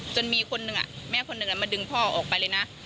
จนมีแม่คนหนึ่งมาดึงพ่อออกไปเลยนะ